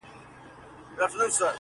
خوري چي روزي خپله ,